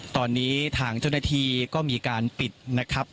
ตอนนี้ทางเจ้าหน้าที่ก็มีการปิดนะครับ